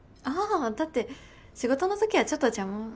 ああだって仕事のときはちょっと邪魔。